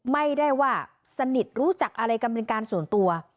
ไม่ได้ว่าสนิทรู้จักอะไรกันเป็นการส่วนตัว